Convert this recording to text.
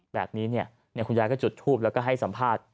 แบบนี้คุณยายก็จุดทูปแล้วก็ให้สัมภาษณ์